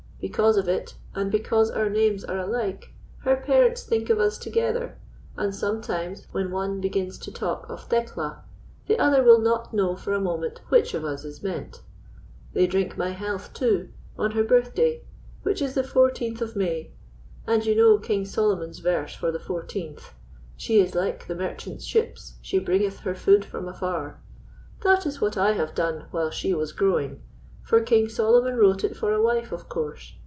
Because of it, and because our names are alike, her parents think of us together; and sometimes, when one begins to talk of 'Thekla,' the other will not know for a moment which of us is meant. They drink my health, too, on her birthday, which is the fourteenth of May; and you know King Solomon's verse for the fourteenth 'She is like the merchants' ships, she bringeth her food from afar.' This is what I have done while she was growing; for King Solomon wrote it for a wife, of course.